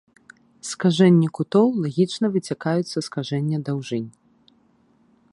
Скажэнні кутоў лагічна выцякаюць са скажэння даўжынь.